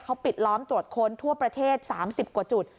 เขาปิดล้อมตรวจค้นทั่วประเทศ๓๐กว่าจุด